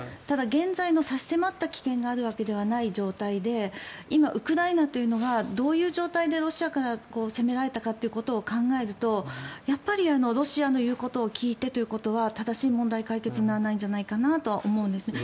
ただ、現在の差し迫った危険があるわけではない状態で今、ウクライナというのがどういう状態でロシアから攻められたかということを考えるとやっぱりロシアの言うことを聞いてということは正しい問題解決にならないんじゃないかなとは思うんです。